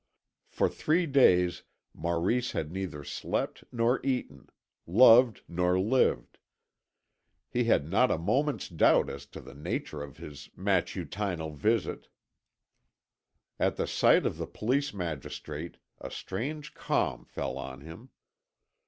For three days Maurice had neither slept nor eaten, loved nor lived. He had not a moment's doubt as to the nature of the matutinal visit. At the sight of the police magistrate a strange calm fell on him.